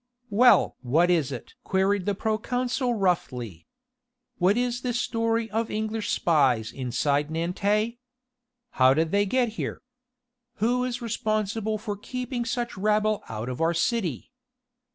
"Well! what is it?" queried the proconsul roughly. "What is this story of English spies inside Nantes? How did they get here? Who is responsible for keeping such rabble out of our city?